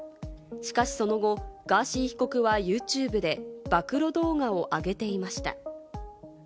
しかしその後、ガーシー被告はユーチューブで暴露動画を上げていました。